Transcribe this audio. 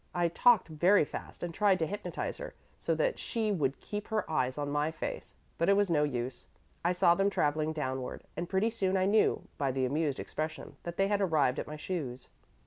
I talked very fast and tried to hypnotize her, so that she would keep her eyes on my face; but it was no use: I saw them traveling downward, and pretty soon I knew by the amused expression that they had arrived at my shoes.